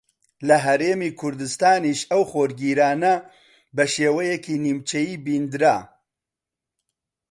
لە ھەرێمی کوردستانیش ئەو خۆرگیرانە بە شێوەیەکی نیمچەیی بیندرا